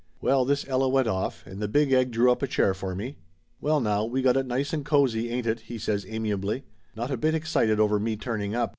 Well, this Ella went off, and the Big Egg drew up a chair for me. "Well, now, we got it nice and cozy, ain't it?" he says amiably. Not a bit excited over me turning up.